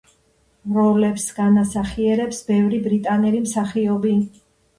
როლებს განასახიერებს ბევრი ბრიტანელი მსახიობი.